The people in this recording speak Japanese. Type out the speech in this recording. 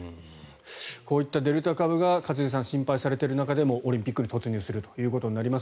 こういったデルタ株が一茂さん、心配されている中でもオリンピックに突入するということになります。